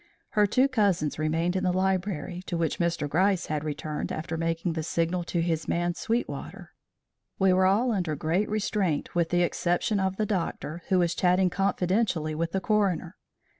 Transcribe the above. Her two cousins remained in the library, to which Mr. Gryce had returned after making the signal to his man Sweetwater. We were all under great restraint with the exception of the doctor, who was chatting confidentially with the coroner.